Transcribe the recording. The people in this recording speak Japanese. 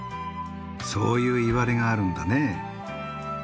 そういういわれがあるんだね。